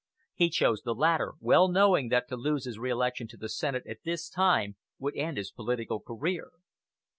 He chose the latter, well knowing that to lose his reelection to the Senate at this time would end his political career.